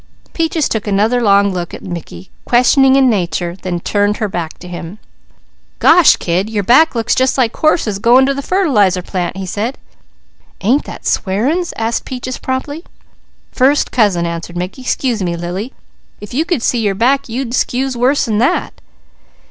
Peaches took another long look at Mickey, questioning in nature, then turned her back to him. "Gosh, kid! Your back looks just like horses' going to the fertilizer plant," he said. "Ain't that swearin's?" asked Peaches promptly. "First cousin," answered Mickey. "'Scuse me Lily. If you could see your back, you'd 'scuse worse than that."